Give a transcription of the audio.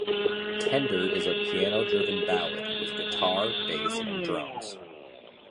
"Tender" is a piano-driven ballad, with guitar, bass and drums.